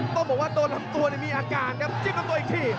ต้องบอกว่าตัวลำตัวมีอาการครับจิ้มลำตัวอีกที